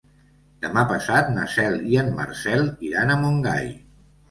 Demà passat na Cel i en Marcel iran a Montgai.